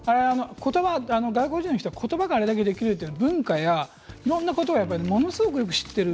外国人の人が、ことばがあれだけできるっていうのは文化や、いろんなことをものすごくよく知ってる。